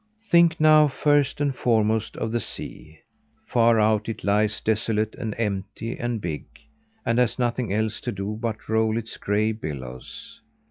Think now first and foremost of the sea! Far out it lies desolate and empty and big, and has nothing else to do but to roll its gray billows.